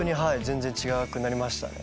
全然違うくなりましたね。